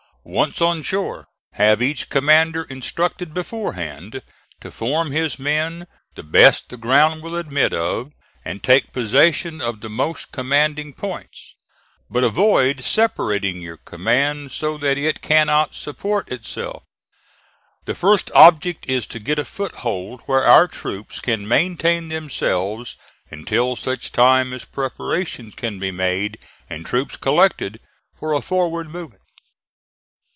Once on shore, have each commander instructed beforehand to form his men the best the ground will admit of, and take possession of the most commanding points, but avoid separating your command so that it cannot support itself. The first object is to get a foothold where our troops can maintain themselves until such time as preparations can be made and troops collected for a forward movement.